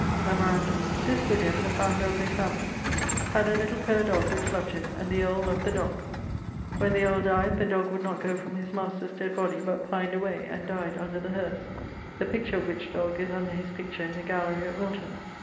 Memorandum: this William (the founder of this family) had a little cur dog which loved him, and the earl loved the dog. When the earle dyed the dog would not goe from his master's dead body, but pined away, and dyed under the hearse; the picture of which dog is under his picture, in the Gallery at Wilton.